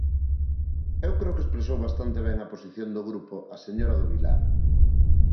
Eu creo que expresou bastante ben a posición do grupo a señora do Vilar.